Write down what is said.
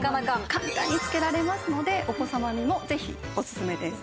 簡単につけられますのでお子様にもぜひおすすめです。